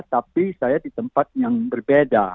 tapi saya di tempat yang berbeda